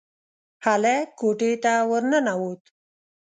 هلک کوټې ته ورننوت.